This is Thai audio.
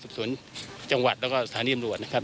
สุดสุดจังหวัดและก็สถานีจำรวจนะครับ